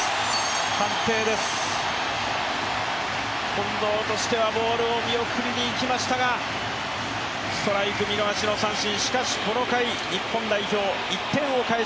近藤としてはボールを見送りに行きましたが、ストライク見逃しの三振。